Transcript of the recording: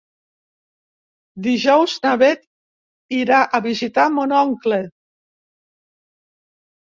Dijous na Bet irà a visitar mon oncle.